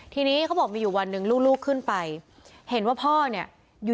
ทีนี้เขาบอกมีอยู่วันหนึ่งลูกขึ้นไปเห็นว่าพ่อเนี่ยอยู่